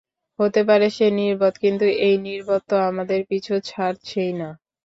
হতে পারে সে নির্বোধ, কিন্তু এই নির্বোধ তো আমাদের পিছু ছাড়ছেই না।